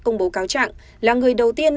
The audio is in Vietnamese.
công bố cáo trạng là người đầu tiên